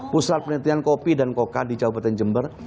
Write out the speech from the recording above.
pusat penelitian kopi dan koka di jawa barat dan jember